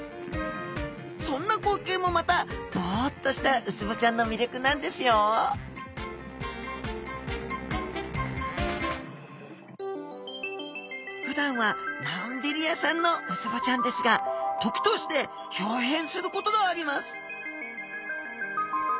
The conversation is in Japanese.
そんな光景もまたボッとしたウツボちゃんの魅力なんですよふだんはのんびり屋さんのウツボちゃんですが時としてひょう変することがあります